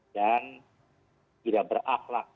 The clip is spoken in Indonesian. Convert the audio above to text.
dan tidak berakhlak